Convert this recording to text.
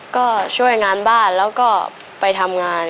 ก็ช่วยงานบ้านแล้วก็ไปทำงาน